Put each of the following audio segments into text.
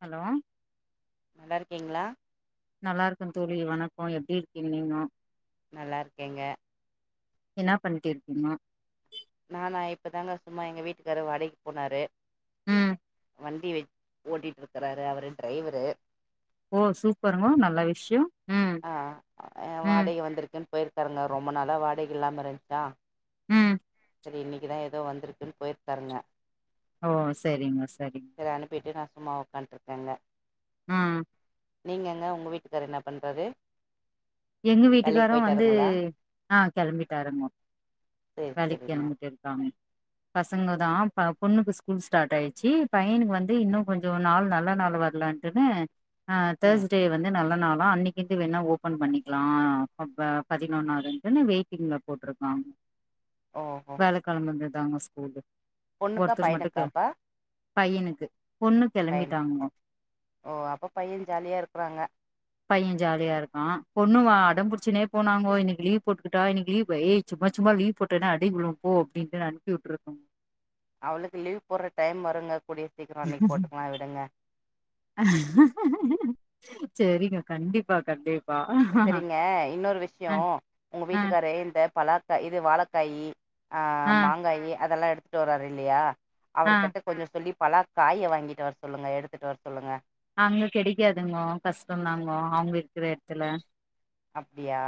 Hello நல்லா இருக்கீங்களா நல்லா இருக்கும் தோழி வணக்கம் எப்டி இருக்கீங்க நீங்ளும் நல்லா இருக்கேங்க என்ன பண்ணட்டு இருக்கீமா நானா இப்பதாங்க சும்மா எங்க வீட்டுக்காரு வாடகைக்கு போனாரு உம் வண்டி ஓட்டிட்டு இருக்கறாரு அவரு டிரைவரு ஓ சூப்பருங்க நல்ல விஷயம் ஆஹ் வாடகை வந்திருக்குன்னு போயிருக் காருங்க ரொம்ப நாளா வாடகைகு இல்லாம இருந்துச்சா உம் சரி இன்னைக்கு தான் ஏதோ வந்திருக்குன்னு போயிருக்காருங்க ஓ சரிங்க சரிங்க மா உட்காட்டுருக்கேங்க ஹீம் நீங்கங்க உங்க வீட்டுக்காரர் என்ன பண் றாரு எங்க வீட்டுக்காரும் வந்து ஆஹ் கிளம்பிட்டாருங்க சரி வேலைக்கு சரிங்க. கிளம்பிட்டு இருக்காங்க பசங்க தான் பொண்ணுக்கு ஸ்கூல் ஸ்டார்ட் ஆயிடுச்சு பையனுக்கு வந்து இன்னும் கொஞ்சம் நாள் நல்ல நாள் வரலான்ட்டுன்னு ஆஹ் ம் தேர்ஸ்டே வந்து நல்ல னாலும் அன்னைக்குந்து வேணா ஓபன் பண்ணி லாம் பதினொன்னாவதுன்னு வெயிட்டிங்ல போட்டிருக்காங்க ஓஹோ வியாழக்கிழம்ப வந்தது இதாங்க ஸ்கூல் பொண்ணுக்கா ஒருத்தர் மட்டும் பையனுக்காப்பா? பையனுக்கு பொண்ணு பையன் கிளம்பிட்டாங்க ஓ அப்ப பையன் ஜாலியா இருக்கறாங்க. பையன் ஜாலியா இருக்கான் அடம்புடிச்சினே போனாப் நம்ப இன்னைக்கு லீவு போட்டுக்கிட்டா இன்னைக்கு லீ்வு சும்மா சும்மா லீவ் போட்டேனே அடி விழும் போ அப்படின்னு அனுப்பி விட்டுருக்கோங்க அவளுக்கு லீவ் போடுற டைம் வருங்க கூடிய சீக்கிரம் அன்னைக்கு [unintelligible] போட்டுக்கலா விடுங்க. சரிங்க கண்டிப்பா கண்டிப்பா சரிங்க இன்னொரு அ விஷயம் உங்க அ வீட்டுக்காரு இந்த பலா இது வாழைக்காய் ஆஹ் அ மாங்காயி அதெல்லாம் எடுத்து ஸ்டோர் இல்லையா அ அவர்கிட்ட கொஞ்சம் சொல்லி பலா காயை வாங்கிட்டு வர சொல்லுங்க எடுத்துட்டு வர சொல்லுங்க அங்க கிடைக்காதுங்கோ கஷ்டம் தாங்கோ அவங்க இருக்குற இடத்துல அப்படியா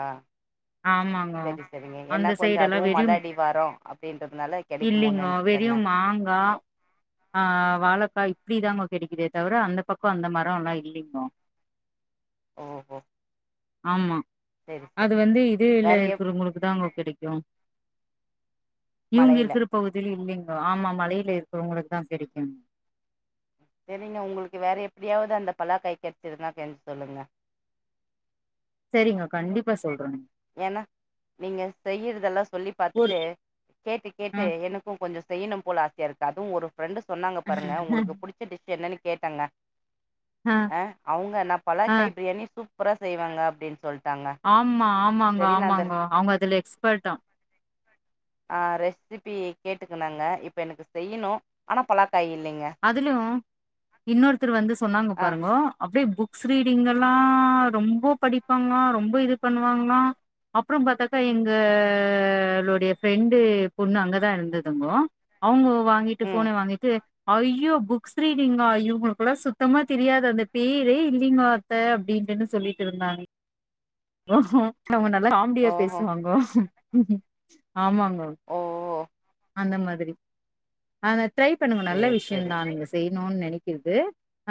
ஆமாங்கோ சரி சரிங்க அந்த ஏன்னா சைடு கொஞ்சம் எல்லா அதுவும் வெறியு மழ அடியடிவாரம் அப்படின்றதுனால கிடைக்குமோனுனேச்சிட்டேங்க ஆஹ் வாழைக்கா இப்படிதாங்க கிடைக்குதே தவிர அந்த பக்கம் அந்த மரம் எல்லாம் இல்லைங்கோ ஓஹோ ஆமா சரி சரி அது வந்து இதே இல்ல வேற எப் இருக்குறவங்களுக்கு தாங்க கிடைக்கும் இவங்க மழையில இருக்கிற பகுதியில் இல்லைங்கோ ஆமா மலையில இருக்கு உங்களுக்கு தான் கிடைக்குங்க சரிங்க உங்களுக்கு வேற எப்படியாவது அந்த பலா காய் கிடைச்சிருந்தா கொஞ்சம் சொல்லுங்க சரிங்க கண்டிப்பா சொல்றேனுங்கோ நீங்க ஏன்னா நீங்க செய்யறதெல்லாம் சொல்லி ஒரு பார்த்தட்டு கேட்டு ஆ கேட்டு எனக்கும் கொஞ்சம் செய்யணும் போல ஆசையா இருக்கு அது ஒரு பிரெண்டு் சொன்னாங்க பாருங்க உங்களுக்கு படிச்ச டிஷ் என்னன்னக்கு கேட்டாங்க ஆ அஹ் அவங்க நான் ஆ பலக்காய் பிரியாணி சூப் சூப்பரா செய்வாங்க அப்படின்னு சொல்லிட்டு ஆமா ஆமா ஆமாங்கோ ஆமாங்கோ அவங்க அதுல எக்ஸ்பர்ட்டாம் ஆஹ் ரெசிபி கேட்டுக்குனாங்க இப்ப எனக்கு செய்யணும் ஆனா பல அதுலும் இன்னொருத்தர் வந்து சொன்னாங்க ஆ பாருங்கோ அப்படி புக்ஸ் ரீடிங்கெல்லாம் ரொம்ப படிப்பாங்களாம் ரொம்ப இது பண்ணுவாங்களாம் அப்புறம் பார்த்தாக்கா எங்களுடைய ஃப்ரெண்டு பொண்ணு அங்கே தான் இருந்ததுங்கோ அவங்க வாங்கிட்டு ம் போனை வாங்கிட்டு ஐயோ புக்ஸ் ரீடிங்கா ஐயோ உங்களுக்குட சுத்தமா தெரியாது அந்த பேரே இல்லலைங்கோ அத்தை அப்படினுன்னு சொல்லிட்டு இருந்தாங்க அவங்க நல்லா காமெடியா ஓஹோ பேசுவாங்கோ உம்ம் ஆமாங்க ஓ அந்த மாதிரி ஆனா ட்ரை நல்ல சரி விஷயம் சரி தான் நீங்க செய்யணும்னு நினைக்க கிறது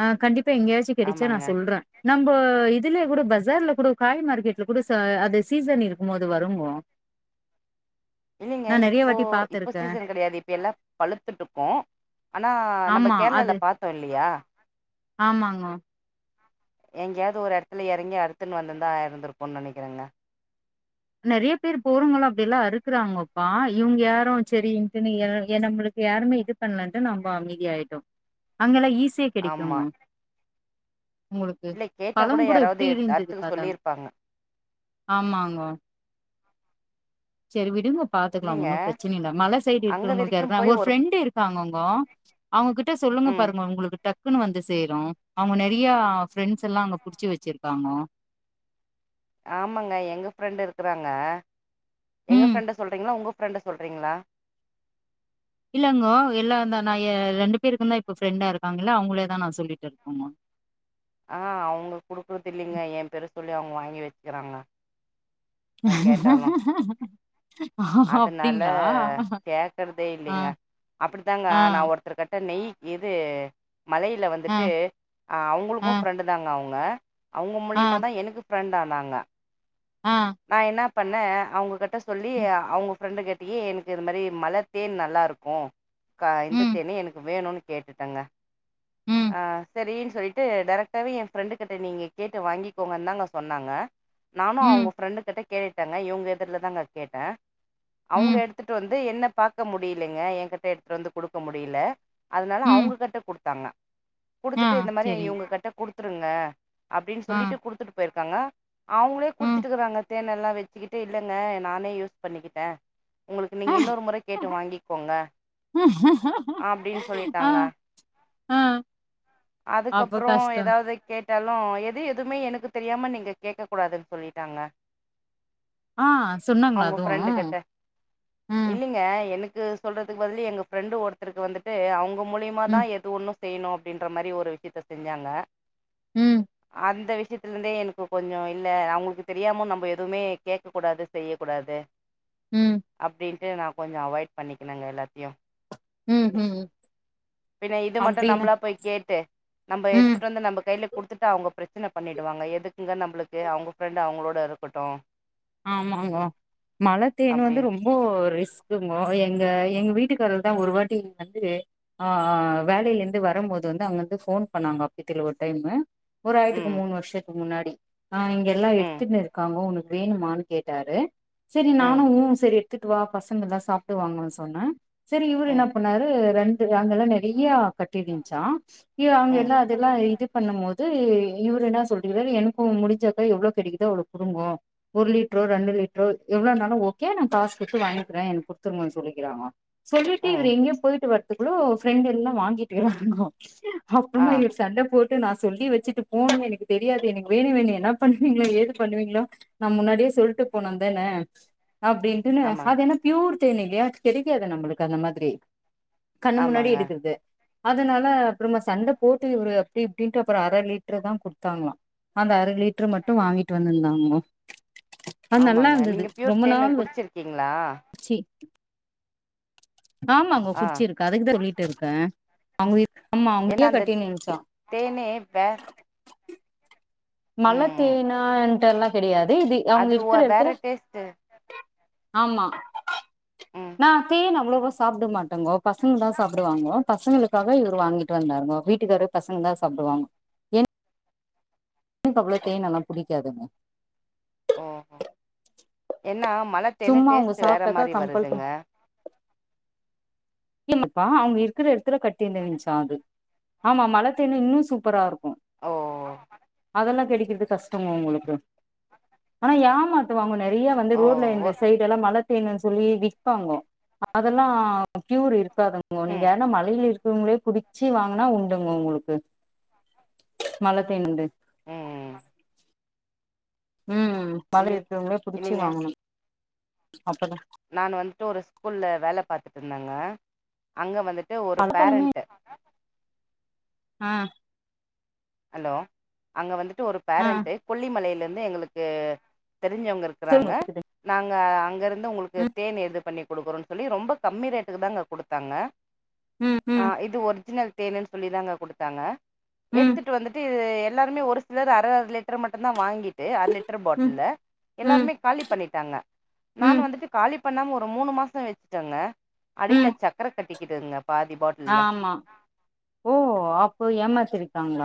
ஆஹ் கண்டிப்பா எங்கேயாச்சும் கிடைச்சா ஆமாங்க நான் சொல்றேன் நம்ம இதுல கூட பசார்ல கூட காய் மார்கேட்் கூட அது சீசன் இருக்கும் இருக்கும்போது வருங்கோ இல்லலைங்க நான் நெறைய இப்போ வாட்டி இப்போ பாத்துருக்கேன். சீசன் கிடையாது இப்ப எல்லாம் பழுத்துட்டு இருக்கோம் ஆனா நம்ம ஆமா கேரளால அது பாத்தோம் இல்லையா ஆமாங்கோ. எங்கேயாவது ஒரு இடத்துல இறங்கி அறுத்துன்னு வந்திருந்தா ஆயிருந்துருக்கும்னு நினைக்கிறேங்க நிறைய பேர் போறங்களோ அப்டில்லாம் அறுக்குறாங்கப்பா இவங்க யாரும் சரிட்டுன்னு நம்மளுக்கு யாருமே இது பண்ணலட்டு நம்ம அமைதியிட்டோம் அங்கெல்லாம் ஈச சிய ஆமா கிடைக்குமாம் உங்களுக்கு இல்ல கேட்டா பழம் கூட யாராவது எப்டி எடுத் இருந்தது அறுத்துக்க பதம் சொல்லியிருப்பாங்க ஆமாங்கோ சரி விடுங்கோ பாத்துக்கலாம் இல்லைங்க ஒன்னும் பிரச்சனை இல்ல மலை சைடு அங்க வரைக்கும் இருக்கிறவங்களுக்கு போய் ஒரு ஃப்ரெண்ட் இருக்காங்கோ அவங்ககிட்ட சொல்லுங்க ம் பாருங்க உங்ககிட்ட ன்னு வந்து சேரும் அவங்க நெறைய ஃப்ரெண்ட்ஸ் எல்லா அங்க புடிச்சு வச்சிருக்காங்க ஆமாங்க எங்க ஃப்ரெண்ட் இருக்குறாங்க எங்க ம் ஃபிரரெண்ட சொல்றீங்களா உங்க ஃப்ரெண்ட சொல்றீங்களா இல்லங்கோ எல்லாம்ந்தா நான் ரெண்டு பேருக்கு இருந்தா இப்ப ஃப்ரெண்டா இருக்காங்களல்லா அவங்களேதான் நான் சொல்லிட்டு இருக்கேங்கோ ஆஹ் அவங்க குடுக்குறது இல்லைங்க என் பேரு சொல்லி அவங்க வாங்கி வச்சுக்கிறாங்க நான் கேட்டாலும் அதனால அப்டிங்களா கேக்குறதே ஆ இல்லைங்க அப்டித்தாங்க ஆ நான் ஒருத்தரு கிட்ட நெய் எது மலையில் ஆ வந்துட்டு ஆ அவங்களுக்கும் இருக்காங்க அவுங்க அவங்க ஆ மூலியமா தான் எனக்கு ஃப்ரெண்ட் ஆனாங்க ஆ நா என்ன பண்ணே அவங்க கிட்ட சொல்லி ம் அவுங்க ஃப்ரெண்டு கிட்டயே எனக்கு இது மாரி மலைத் தேன் நல்லா இருக்கும் ஆ இந்த தேன் எனக்கு வேணும்ன்னு கேட்டுட்டேங்க ம் ம் ஆஹ் சரி சொல்லிட்டு டைரெக்டாவே என் ஃரெண்டு கிட்ட நீங்க கேட்டு வாங்கிக்கோங்கன்னு தாங்க சொன்னாங்க நானும் ம் அவுங்க கிட்ட கேட்டாங்க இவுங்க எதுர்லதாங்க கேட்டேன் அவுங்க ம் எடுத்துட்டு வந்து வந்து என்ன பாக்க முடியலங்க என் கிட்ட எடுத்துட்டு வந்து குடுக்க முடியல அதனால ம். அவங்ககிட்ட குடுத்தாங்க ஆ குடுத்துட்டு இந்த செரிங்க மாதிரிங்க கிட்ட குடுத்து குடுத்துருங்க அப்டின்னு ஆ சொல்லிட்டு குடுத்துட்டு போயிருக் இருக்காங்க அவுங்களே குடுத் ம் வச்சட்டுக்கறாங்க தேன் எல்லாம் வச்சுக்கிட்டு இல்லைங்க நானே யூஸ் பண்ணிக்கிட்டேன் உங்களுக்கு நீங்க இன்னொரு முறை கேட்டு வாங்கிக்கோங்க அப்டின்னு சொல்லிட்டாங்க ஹூம் அதுக்கப்புறம் ஏதாவது கேட்டு கேட்டாலும் எது எதுவுமே எனக்கு தெரியாம நீங்க கேக்க கூடாதுன்னு சொல்லிட்டாங்க ஆஹ் சொன்னாங்களா அவங்க ஃப்ரெண்டு அதுவும் கிட்ட. உம் இல்லைங்க, எனக்கு சொல்றதுக்கு பதில் எங்க பிரெண்டு ஒருத்தருக்கு வந்துட்டு அவுங்க மூலியமா ம், தான் எது ஒண்ணும் செய்ணும் அப்பின்னு மாரி ஒரு விஷயத்த செஞ்சாங்க ம், அந்த விஷ வகசியத்துல இருந்தே எனக்கு கொஞ்சம் இல்ல அவுங்களுக்கு தெரியாம நம்ம எதுவுமே கேக்க கூடாது செய்யக் கூடாது ம், அப்டின் நான் கொஞ்சம் அவாய்ட் பண்ணிக்குனேங்க எல்லாத்தையும் உம் உம் பின்ன இது மட்டும் அபின்னா நம்பளா போய் கேட்டு நம்ம எடுத்துட்டு வந்து நம்ம கைல குடுத்துட்டு அவுங்க பிரச்சனை பண்ணிடுவாங்க எதுக்குங்க நம்மளுக்கு அவுங்க ஃப்ரெண்டு் அவுங்களோட இருக்கட்டும் ஆமாங்க மழை தேன் வந்து அப்டின் ரொம்ப ரிஸ்க் எங்க எங்க வீட்டுக்காரர் தான் ஒரு வாட்டி வந்து ஆஹ் வேலையில இருந்து வரும்போது வந்து அங்க வந்து போன் பண்ணாங்க அப்பித்தல ஒரு டைமு ஒரு ஆயித்துக்கு ம் மூணு வருஷத்துக்கு முன்னாடி ஆஹ் இங்க எல்லாம் ம் எடுத்துனு இருக்காங்க ஒனக்கு வேணுமா கேட்டாரு சரி ம் நானும் உ சேரி எடுத்துட்டு வா பசங்கல்லாம் சாப்டு வாங்கன்னு சொன்னேன் சரி இவரு ம் என்ன பண்ணாரு ரெண்டு அங்க எல்லாம் நறைய கட்டிருச்சான் அவுங்க ம் எல்லாம் அதெல்லாம் இது பண்ணும் போது இவரு என்ன சொல்லர்காரு எனக்கும் முடிஞ்சாக்கா எவ்வளவு கிடைக்குதோ அவ்ளோ குடுங்கோ ஒரு லிட்ரோ ரெண்டு லிட்ரோ எவ்ளோனாலு ஓகோ நா காஸ் புக்கு வாங்கிக்கிறேன் எனக்கு சொல்லிக்கிறாங்க சொல்லிட்டு இவரு ம் எங்கயோ போயிட்டு வரத்துக்குள்ளோ ஃப்ரெண்ட் எல்லாம் வாங்கிட்டுக்குறாங்கோ ஆ அப்றமா இவரு சண்டை போட்டு நான் சொல்லி வச்சுட்டு போவேன் எனக்கு தெரியாது எனக்கு வேணும் வேணும் என்ன பண்ணுவீங்களோ ஏது பண்ணுவீங்களோ நான் முன்னாடியே சொல்ட்டு போனம் தானே அப்டிட்னு ஆமாங் அது என்ன பியூர் ன் இல்லையா கெடைக்காது நம்மளுக்கு அந்த மாதிரி கண்ணு முன்னாடி ஆமாங்க எடுக்கிறது அதனால அப்புறமா சண்டை போட்டு இவரு அப்படி இப்படின்ட்டு அப்புறம் அரை லிட்டரு தான் குடுத்தாங்களாம் அந்த அரை லிட்ட லிட்டர் மட்டும் வாங்கிட்டு வந்து வந்தங்கனா ஆமாங்க நீங்க ப்யூர் தேன் நாள் குடிச்சிருக்கீங்களா வச்சு ஆமாங்க ஆ குடிச்சிருக்க அதுக்குதான் சொல்லிட்டு இருக்கேன் அவங்க வி ஆமா ஏன்னா அங்கயே அந்த கட்ட நின்னுனச்சா தேனே வே ம் மலத் ம் தோனா எ அது எல்லாம் கிடையாது அதே இது அவங்க அது ஒ இருக்கற வேற இடத்துல டேஸ்ட்டு ஆமா ம் நான் தேன் அவ்வளவுவ சாப்பிட மாட்டேங்கோ பசங்க தான் சாப்பிடுவாங்கோ பசங்களுக்காக இவரு வாங்கிட்டு வந்தாருங்க வீட்டுக்காரு பசங்க தான் சாப்பிடுவாங்க என பெண்ணுகு அவ்ளோ தோன்அல்லாம் புடி பிடிக்காதுங்கா ஓஹ ஹ என்ன மழைத்தேன்னு சும்மா அவங்க டேஸ்ட்டு வேற சாப்ட்டாக்கா மாரி கம்பல் பண் வருதுங்க இல்ல இப்பா அவங்க இருக்கிறடுத்து த்துல கட்டினுவிச்சான் அது ஆமா மழைத்தோன் இன்னும் சூப்பரா இருக்கும் ஓவ் அதுல்லாம் கிடைக்கிறது கஷ்டங்க உங்களுக்கு ஆனா ஏமாத்துவங்க நே நிறைய வந்து ஓ ரோடல இந்த ஒ சைடு எல்லாம் மழை தேணும் சொல்லி விற்பாங்க அதெல்லாம் ப்யூர் இருக்காதுங்கோ நீங்க ம் ஏன்னா மலையில இருக்கவங்களே குடி ச்சி வாங்கினா உண்டுங்க உங்களுக்கு மலை தேன் உண்டு உம் உம் மாதிரி இல்லி இருக்குவங்களே புடிச்சி இல்லிங்க வாங்கணும் அப்பதான் நான் வந்துட்டு ஒரு ஸ்கூல்ல வேலை பாரத்துட்டு இருந்தேங்க அங்க வந்துட்டு ட்டு ஒரு பழப்பழமே பேரண்ட் ஆஹ ஹலோ அங்க வந்து டூ ஒரு ஆ பேரண்ட் கொல்லிமலையில்ல இல்ல எங்களுக்கு தெரிஞ்சவங்க இருக்குறாங்க சொல்லுங்க கேக்குது நாங்க அங்க இருந்து உங்களுக்கு ம் தேன்னு எது பண்ணி குடுக்குறோன்னு சொல்லி ரொம்ப கம்மி ரேட்டுக்கு தாங்க குடுத்தாங்க ம் ம் ஆஹ இது ஒர்ஜினல் தேன்னு சொல்லிதாங்க குடுத்தாங்க ம் இப்போ வந்துட்டு எல்லாருமே ஒரு சிலர் அர அர லிட்டர் மட்டும் தான் வாங்கி அரை லிட்டர் ம் பாட்டில்ல ம் எல்லாருமே காலி பண்ணிட்டாங்க நான் ம் வந்துட்டு காலிப் இப்பண்ணாம ஒரு மூணு மாசம் வச்சுட்டேங்க அடில்ல சக்கர கட்டி இதுங்கப் ஆம்மா ஓ அப்போ ஏமாத்தியிருக்காங்க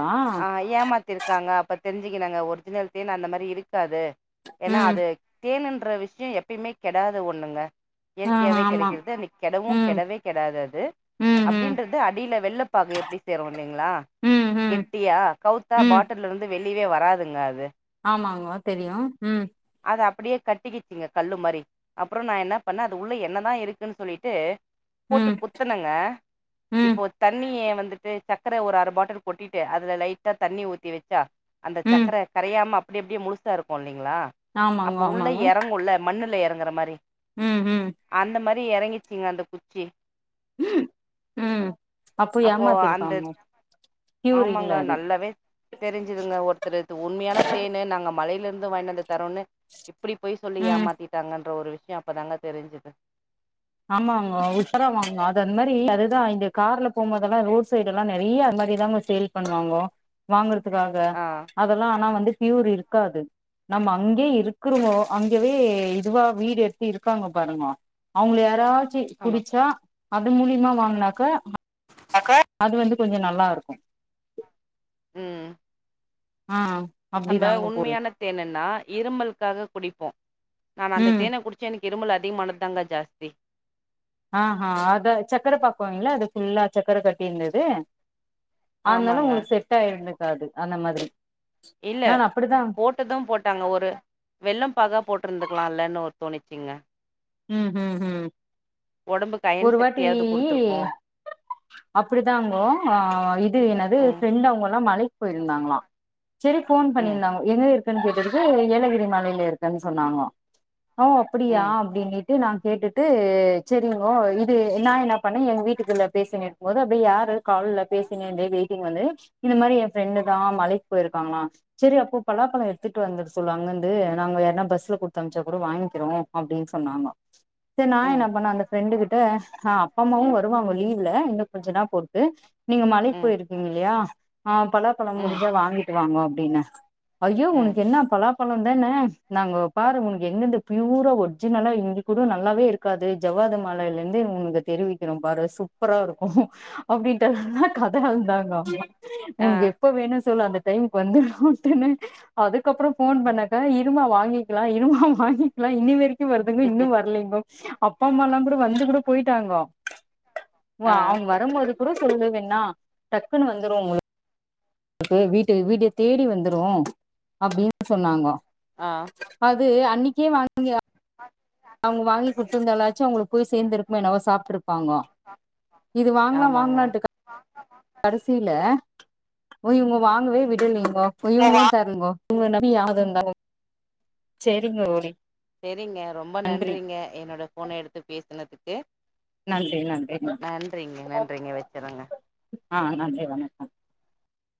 அஹ ஏமாத்திருக்காங்க பத் தெரிஞ்சிக்கனங்க ஒரிஜினல் தேன் அந்த மாரி இருக்காது ஏன்னா ம் அது தேன்னுன் ற்ற விஷயம் எப்பயுமே கெடாது ஒண்ணுங்க ஆ இயற்கையாவே ஆமா கிடைக்கிறது அன்னிக் கெடவும் ம் கெடவே கெடாது அது ம் ம் அப்படின்றது அடியில வெல்லப்பாகு எப்படி சேரும் இல்லங்களா ம் ம் கெட்டியா கவுத்தா ம் பாட்டல்ல இருந்து வெளிவே வராதுங்க அது ஆமாங்க தெரியும் உம் அப்படியே கட்டிக்கிச்சுங்க கல்லு மாரி அப்புறம் நான் என்ன பண்ணேன் அது உள்ள என்னதான் இருக்குன்னு சொல்லிட்டு போட்டு ம் குத்தனங்க ம் இப்போ தண்ணிய வந் வந்துட்டு சக்கரை ஒரு அர பாட்டில் கொட்டிட்டு அதுல லைட்டா தண்ணி ஊத்தி வச்சா அந்த ம் சக்கர கரையாமப் அப்டியே அப்டியே முழுசா இருக்கும் லே ங்களா ஆமாங்க அப்ப உள்ள ஆமாங்க இறங்குள்ள மண்ணுள்ள இறங் வேற மாரி ம் ம் எப்டி இறங்கிச்சிங்க அந்த குச்சி உம் உம் அப்போ ஏமாத்திருக்காங்க க்யூர் இல்ல ஆமாங்க அது நல்லாவே தெரிஞ்சுதுங்க ஒருத்தர்து உண்மையான தேன்னு நாங்க மலையில இருந்து வாயுனுவந்து தரோன்னு இப் அப்படி போய் சொல்லி ம் ஏமாத்திட்டாங்கன்னு ஒரு விஷயம் அப்பதாங்க தெரிஞ்சுது ஆமாங்க உஷாரம் வாங்க அது அந்த மாதிரி அதுதான் இந்த கார்ல போகும் போதெல்லாம் ரோட் சைடுல எல்லாம் நிறைய மாதிரி தங்க சேல் பண்ணுவாங்க வாங்கற க்காக ஆ அதெல்லாம் ஆனா வந்து பியூர் இருக்காது நம்ம அங்கே இருக்கிறோமோ அங்கவே இதுவா வீடு எடுத்து இருக்காங்க பாருங்க அவங்க யார ஆ ஆமா புடிச்சா அது மூலிமா வாங்குனாக்க அக்கா அது வந்து கொஞ்சம் நல்லா இருக்கும் உஹம் ஆஹ் நம்ம உண்மையான தேனுன்னா இருமலுக்காக குடிப்போம் நான் அந்த ம் தேனை குடிச்ச எனக்கு இருமல் அத மானது தாங்க ஜாஸ்தி ஆஹ்ஹ் அதை சர்க்கரை பாக்குாங்களா அது ஃபுல்லா சர்க்கர கட்ட இருந்தாது அதனாலும் ஆமாங்க உங்களுக்கு செட் ஆயிருந்தது து அந்த மாதிரி இல்ல நான் அப்டிதா போட்டதும் போட்டாங்க ஒரு வெள்ளம் பாகா போட்டிருந்துக்கலாம்ல்ல இன்னும் ஒரு தோணிச்சிங்கா உஹம் உம் உம் ஒடம்புக்கு அயன் ஒரு வாட்டி சக்தியாவது குடுத்துருக்கு அப்படிதான்ங்கோ அஹ் இது என்னது ம் ஃப்ரெண்ட் அவங்க எல்லாம் மழ போயிருந்தாங்களாம் சரி போன் ம் பண்ணியிருந்தாங்க எங்க இருக்குன்னு கேட்டு ஏலகிரி மாலையில இருக்குன்னு சொன்னாங்க ஒ அப்படியா ம் நான் கேட்டுட்டு சரிங்கோ இது நான் என்ன பண்ணேன் எங்க வீட்டுக்குள்ள பேசி இருக்கும் போது அப்படியே யாரு காவல பேசின வெயிட்டிங் வந்து இந்த மாதிரி என் ரெண்டு தான் மலைக்கு போயிருக்காங்கள சரிப்போ பலாபழம் எடுத்துட்டு வந்துட்டு சொல்லு அங்கிருந்து நாங்க யாரனா பஸ்ல குடுத்த அனுச்சா கூட வாங்கிக்கிறோம் அப்படின்னு சொன்னாங்கோ சரி நான் என்ன ம் பண்ணே அந்த ஃப்ரெண்டு கிட்ட ஆஹ அம்மாவும் வருவாங்க லீவ்ல கொஞ்சன்னா பொறு நீங்க மழைக்கு ம் போயிருக்கீங்க இல்லையா ஆஹ் பல பழம் ம் முஞ்சா வாங்கிட்டு வாங்க அப்டினா ஐயோ ம் உன்கு என்ன பலாப்பழம் தானே நாங்க பாரு உனக்கு எங்க இருந்து ப்பியூரா ஒரு நாலா இங்க கூட நல்லாவே இருக்காது ஜவ்வாது மலையில இருந்து உனக்கு தெரிவிக்கிறோம் பாரு சூப்பரா இருக்கும் அப்டின்ட்டு கத அளந்தாங்க ஆ உனக்கு எப்ப வேணும்னு சொல்லு அந்த டைமுக்கு வந்து அதுக்கப்புறம் போன் பண்ணக்கா இருமா வாங்கி இருமா வாங்கிக்கலாம் இனிமே வருதுங்க இன்னும் வரலிங்கோ அப் அப்பா அம்மா எல்லாம் கூட வந்து கூட போயிட்டாங்க உ ஆ அவங்க வரும்போது கூட சொல்லு வேணா டக்குன்னனு வந்துருவோம் உங்களுக்கு வீட்டுக்கு வீட்ட தேடி வந்துரும் அப்படின்னு சொன்னாங்க ஆ அது அன்னைக்கு கே வாங்க ஆஹ் அவங்க வாங்கி குடுத்திருந்தாலச்சும் அவங்களுக்கு போய் சேர்ந்திருக்கும் என்னவோ சாப்பிட்டு இருப்பாங்கோ இது வாங்கலாம் ஆமாங்க வாங்கலான்ட்டுக்க ஓய் உங்க வாங்குவ விட்டு ல்லைங்க இவங்களும் தருங்க உங்க நம்பியது இருந்தா சரிங்க ஓரி செரிங்க ரொம்ப நன்றிங்க என்னோட போன எடுத்து பேசுனதுக்கு நன்றி நன்றி நன்றிங்க நன்றிங்க வச்சுறங்க ஆஹ் நன்றி வணக்கம்